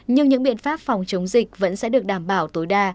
nhưng những biện pháp phòng chống dịch vẫn sẽ được đảm bảo tối đa